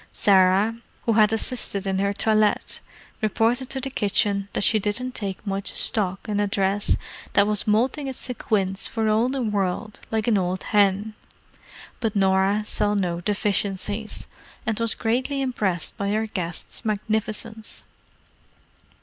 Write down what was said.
Sarah, who had assisted in her toilette, reported to the kitchen that she didn't take much stock in a dress that was moulting its sequins for all the world like an old hen; but Norah saw no deficiencies, and was greatly impressed by her guest's magnificence.